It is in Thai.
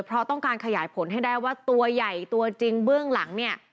เพราะต้องการขยายผลให้ได้ว่าตัวใหญ่ตัวจริงเบื้องหลังเนี่ย